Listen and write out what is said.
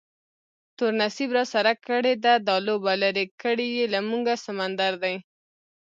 تور نصیب راسره کړې ده دا لوبه، لرې کړی یې له موږه سمندر دی